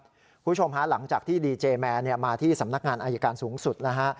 คุณผู้ชมฮะหลังจากที่ดีเจแมนมาที่สำนักงานอายการสูงสุดนะฮะ